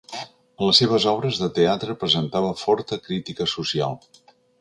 En les seves obres de teatre presentava forta crítica social.